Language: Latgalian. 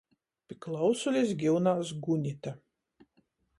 Pi klausulis giunās Gunita.